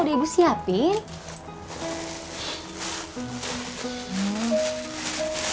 ada udah ibu siapin